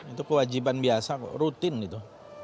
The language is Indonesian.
itu kewajiban biasa kok rutin itu